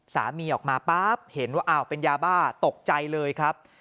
สามีออกมาปั๊บเห็นว่าอ้าวเป็นยาบ้าตกใจเลยครับ